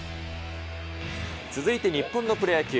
続いて日本のプロ野球。